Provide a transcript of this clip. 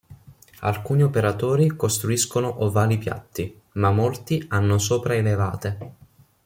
Alcuni operatori costruiscono ovali piatti, ma molti hanno sopraelevate.